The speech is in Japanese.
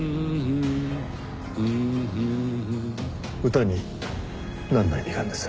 歌になんの意味があるんです？